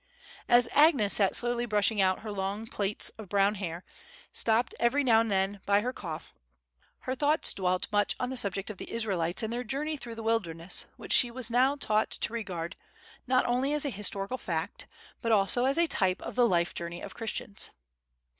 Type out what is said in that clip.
As Agnes sat slowly brushing out her long plaits of brown hair, stopped every now and then by her cough, her thoughts dwelt much on the subject of the Israelites and their journey through the wilderness, which she was now taught to regard, not only as a historical fact, but also as a type of the life journey of Christians.